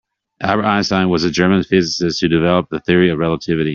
Albert Einstein was a German physicist who developed the Theory of Relativity.